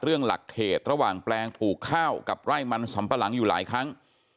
หลักเขตระหว่างแปลงปลูกข้าวกับไร่มันสำปะหลังอยู่หลายครั้ง